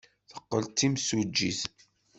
Teqqel d timsujjit.